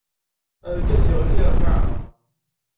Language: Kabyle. Argaz yeɣli ar lqaɛa.